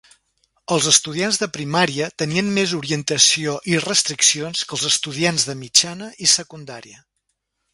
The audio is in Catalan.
Els estudiants de primària tenien més orientació i restriccions que els estudiants de mitjana i secundària.